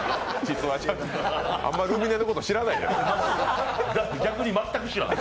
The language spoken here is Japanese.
あんまりルミネのこと、知らないじゃない。